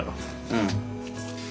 うん。